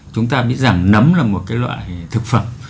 chúng ta biết rằng nấm là một cái loại thực phẩm